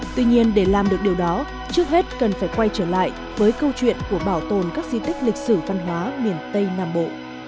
tuy nhiên để làm được điều đó trước hết cần phải quay trở lại với câu chuyện của bảo tồn các di tích lịch sử văn hóa miền tây nam bộ